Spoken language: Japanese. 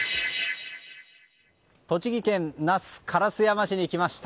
栃木県那須烏山市に来ました。